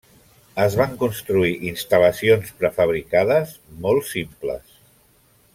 Es van construir instal·lacions prefabricades molt simples.